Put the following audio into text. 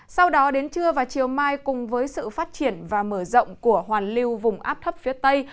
sau đó đến trưa và chiều mai cùng với sự phát triển và mở rộng của hoàn lưu vùng áp thấp phía tây